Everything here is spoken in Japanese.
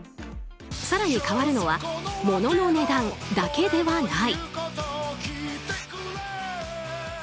更に変わるのは物の値段だけではない。